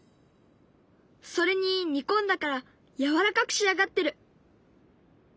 それに煮込んだからやわらかく仕上がってる。